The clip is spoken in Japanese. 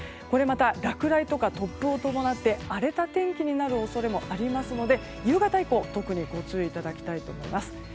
これまた落雷とか突風を伴って荒れた天気になる恐れもありますので夕方以降、特にご注意いただきたいと思います。